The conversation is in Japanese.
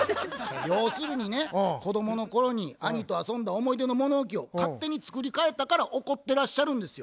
要するにね子供の頃に兄と遊んだ思い出の物置を勝手に作り替えたから怒ってらっしゃるんですよ。